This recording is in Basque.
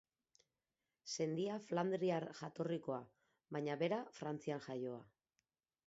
Sendia Flandriar jatorrikoa baina bera Frantzian jaioa.